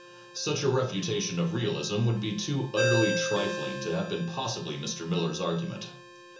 Surely such a refutation of realism would be too utterly trifling to have been possibly Mr. Miller's argument.